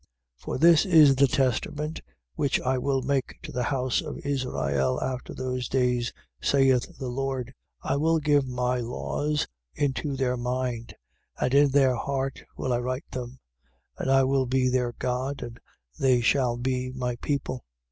8:10. For this is the testament which I will make to the house of Israel after those days, saith the Lord: I will give my laws into their mind: and in their heart will I write them. And I will be their God: and they shall be my people.